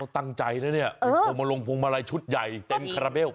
ตั้งใจนะเนี่ยโอ้โหมาลงพวงมาลัยชุดใหญ่เต็มคาราเบล